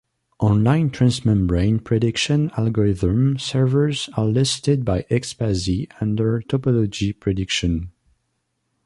Online transmembrane prediction algorithm servers are listed by Expasy under Topology prediction.